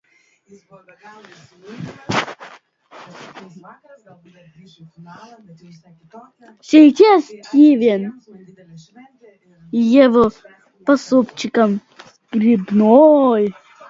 Всё было, как и после прежних счетов, чисто и ясно.